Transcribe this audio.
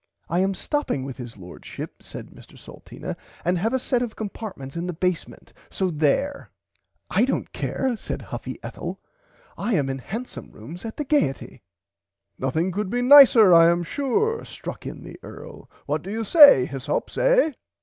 I am stopping with his Lordship said Mr Salteena and have a set of compartments in the basement so there. I dont care said huffy Ethel I am in handsome rooms at the Gaierty. Nothing could be nicer I am sure struck in the earl what do you say Hyssops eh.